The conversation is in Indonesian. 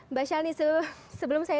mbak shalini sebelum saya